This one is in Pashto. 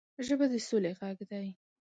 ژبه د سولې غږ دی